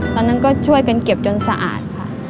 ตอนนั้นก็ช่วยกันเก็บจนสะอาดค่ะ